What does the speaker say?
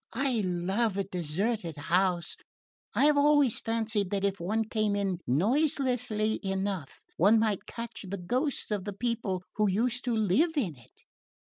I love a deserted house: I have always fancied that if one came in noiselessly enough one might catch the ghosts of the people who used to live in it."